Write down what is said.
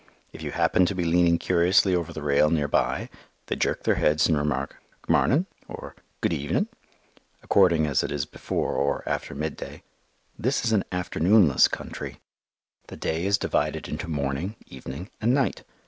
If you happen to be leaning curiously over the rail near by, they jerk their heads and remark, "Good morning," or, "Good evening," according as it is before or after midday. This is an afternoon less country. The day is divided into morning, evening, and night.